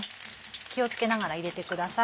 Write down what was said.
気を付けながら入れてください。